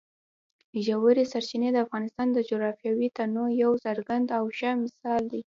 ژورې سرچینې د افغانستان د جغرافیوي تنوع یو څرګند او ښه مثال دی.